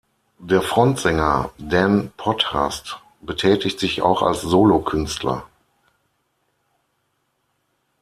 Der Frontsänger, Dan Potthast, betätigt sich auch als Solo-Künstler.